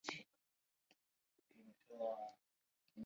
而家明与童昕纠缠不清的关系又如何了断呢？